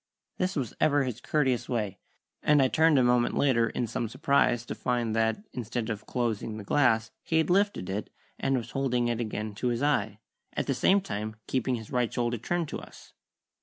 This was ever his courteous way, and I turned a moment later in some surprise, to find that, instead of closing the glass, he had lifted it, and was holding it again to his eye, at the same time keeping his right shoulder turned to us.